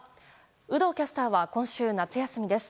有働キャスターは今週夏休みです。